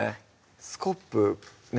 スコップね